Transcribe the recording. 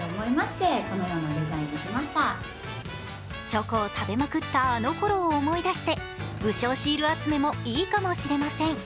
チョコを食べまくったあの頃を思い出して武将シール集めも、いいかもしれません。